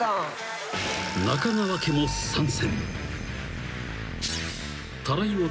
［中川家も参戦］